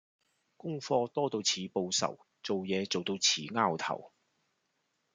功課多到似報仇做嘢做到似 𢯎 頭